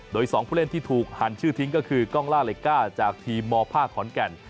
โดย๒ผู้เล่นที่ถูกหันชื่อทิ้งก็คือกล้องล่าเล็กก้าจากทีมมภาคขอนแก่น